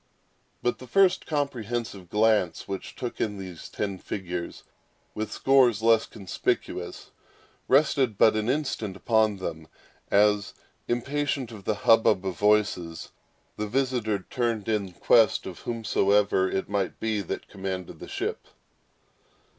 But that first comprehensive glance which took in those ten figures, with scores less conspicuous, rested but an instant upon them, as, impatient of the hubbub of voices, the visitor turned in quest of whomsoever it might be that commanded the ship.